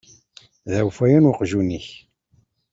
D awfayan uqjun-ik.